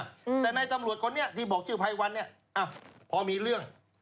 อืมแต่ในตำรวจคนนี้ที่บอกชื่อภัยวันเนี้ยอ้าวพอมีเรื่อง